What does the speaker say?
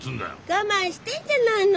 我慢してるじゃないの